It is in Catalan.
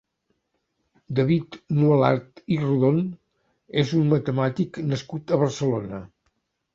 David Nualart i Rodón és un matemàtic nascut a Barcelona.